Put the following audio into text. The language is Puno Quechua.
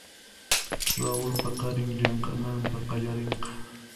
Raul paqarin llamk'ananta qallarinqa.